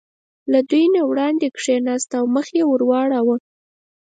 له دوی نه وړاندې کېناست او مخ یې ور واړاوه.